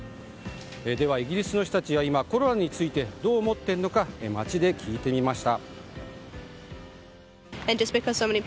では、イギリスの人たちはコロナについてどう思っているのか街で聞いてみました。